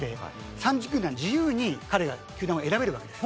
３０球団自由に彼が球団を選べるわけです。